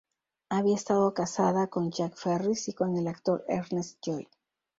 Había estado casada con Jack Ferris y con el actor Ernest Joy.